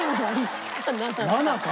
７か？